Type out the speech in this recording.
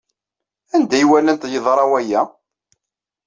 Anda ay walant yeḍra waya?